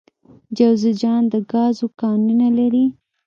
جوزجان د ګازو کانونه لري